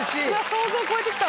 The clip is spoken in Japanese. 想像を超えてきた。